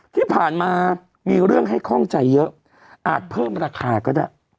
ที่ผ่านมามีเรื่องให้คล่องใจเยอะอาจเพิ่มราคาก็ได้